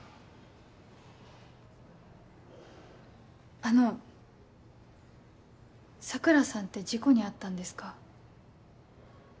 あの桜さんって事故に遭ったんですか？